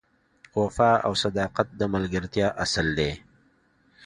وفا او صداقت د ملګرتیا اصل دی.